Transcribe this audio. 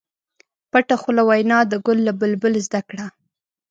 پټه خوله وینا د ګل له بلبل زده کړه.